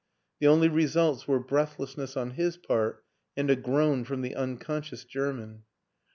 The only re sults were breathlessness on his part and a groan from the unconscious German.